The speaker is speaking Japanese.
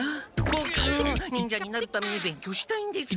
ボク忍者になるために勉強したいんです。